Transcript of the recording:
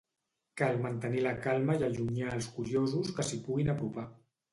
Cal mantenir la calma i allunyar els curiosos que s'hi puguin apropar.